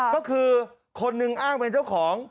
ก็คือคนหนึ่งอ้างเป็นเจ้าของ